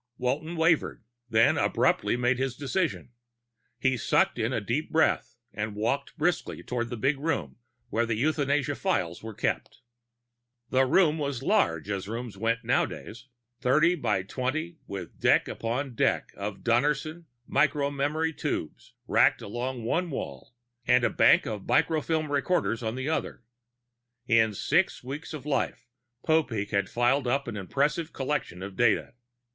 _ Walton wavered, then abruptly made his decision. He sucked in a deep breath and walked briskly toward the big room where the euthanasia files were kept. The room was large, as rooms went nowadays thirty by twenty, with deck upon deck of Donnerson micro memory tubes racked along one wall and a bank of microfilm records along the other. In six weeks of life Popeek had piled up an impressive collection of data.